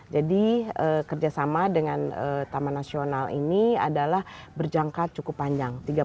jadi kerjasama dengan taman nasional ini adalah berjangka cukup panjang